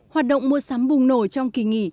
hoạt động mua sắm bùng nổi trong kỳ nghỉ